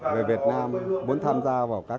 về việt nam muốn tham gia vào các